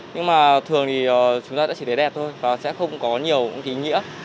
nhưng mà thường thì chúng ta sẽ chỉ thấy đẹp thôi và sẽ không có nhiều ký nghĩa